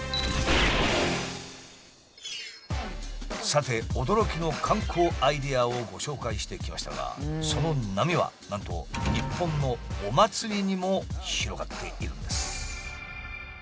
さて驚きの観光アイデアをご紹介してきましたがその波はなんと日本のお祭りにも広がっているんです。